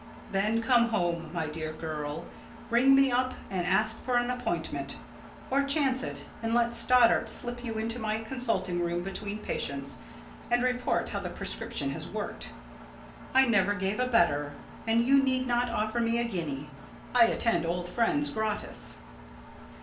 "Then come home, my dear girl, ring me up and ask for an appointment; or chance it, and let Stoddart slip you into my consulting room between patients, and report how the prescription has worked. I never gave a better; and you need not offer me a guinea! I attend old friends gratis."